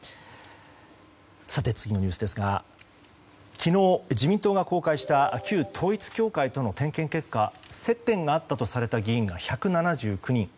次のニュースですが昨日、自民党が公開した旧統一教会との点検結果接点があったとされた議員が１７９人。